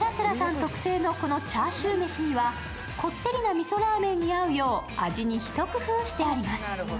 特徴のチャーシューめしには、こってりなみそラーメンに合うよう、味にひと工夫しています。